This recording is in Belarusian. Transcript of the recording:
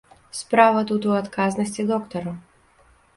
Справа тут у адказнасці доктара.